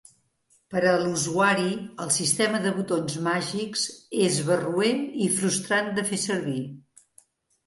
Per a l'usuari, el sistema de botons màgics és barroer i frustrant de fer servir.